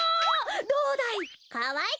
どうだい？